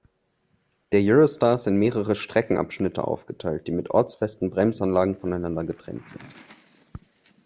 Der Euro-Star ist in mehrere Streckenabschnitte aufgeteilt, die mit ortsfesten Bremsanlagen voneinander getrennt sind.